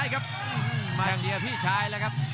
อย่าหลวนนะครับที่เตือนทางด้านยอดปรับศึกครับ